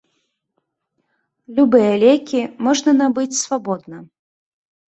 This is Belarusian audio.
Любыя лекі можна набыць свабодна.